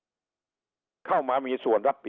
ลูกหลานบอกว่าเรียกรถไปหลายครั้งนะครับ